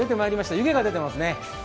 湯気が出てますね。